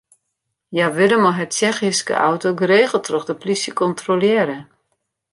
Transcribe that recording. Hja wurde mei har Tsjechyske auto geregeld troch de plysje kontrolearre.